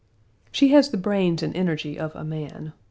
She has the brains and energy of a man.